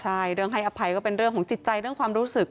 ใช่เรื่องให้อภัยก็เป็นเรื่องของจิตใจเรื่องความรู้สึก